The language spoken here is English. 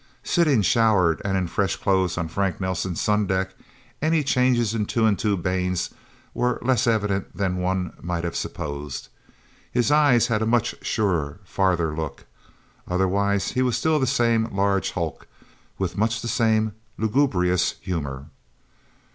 Sitting showered and in fresh clothes on Frank Nelsen's sundeck, any changes in Two and Two Baines were less evident than one might have supposed. His eyes had a much surer, farther look. Otherwise he was still the same large hulk with much the same lugubrious humor.